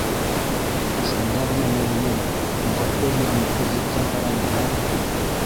Шунда ғына Мәҙинә уға өр-яңы күҙлектән ҡараны һәм...